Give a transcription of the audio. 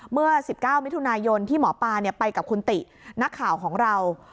เมื่อ๑๙มิถุนายนที่หมอปลาไปกับคุณตินักข่าวของเรา